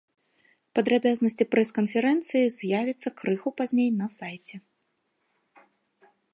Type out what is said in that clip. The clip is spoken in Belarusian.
Падрабязнасці прэс-канферэнцыі з'явяцца крыху пазней на сайце.